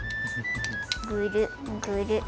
グルグル。